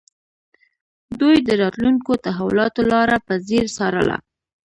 دوی د راتلونکو تحولاتو لاره په ځیر څارله